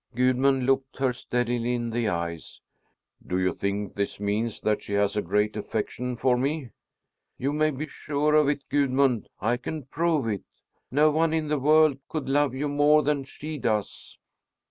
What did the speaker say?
Gudmund looked her steadily in the eyes. "Do you think this means that she has a great affection for me?" "You may be sure of it, Gudmund. I can prove it. No one in the world could love you more than she does."